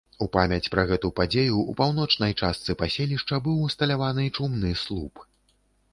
У памяць пра гэту падзею ў паўночнай частцы паселішча быў усталяваны чумны слуп.